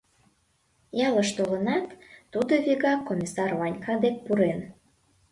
Ялыш толынат, тудо вигак Комиссар Ванька дек пурен.